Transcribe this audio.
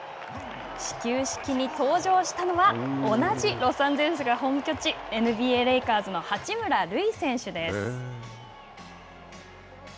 始球式に登場したのは同じロサンゼルスが本拠地ＮＢＡレイカーズの八村塁選手です。